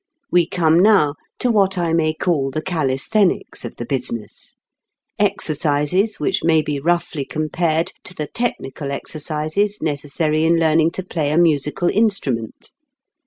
We come now to what I may call the calisthenics of the business, exercises which may be roughly compared to the technical exercises necessary in learning to play a musical instrument.